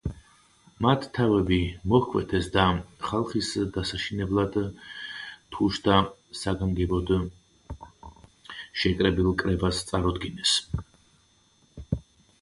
მათ თავები მოჰკვეთეს და ხალხის დასაშინებლად თუშთა საგანგებოდ შეკრებილ კრებას წარუდგინეს.